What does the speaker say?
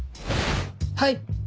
はい。